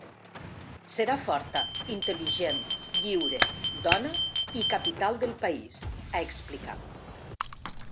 Serà forta, intel·ligent, lliure, dona i capital del país, ha explicat.